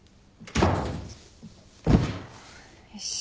よし。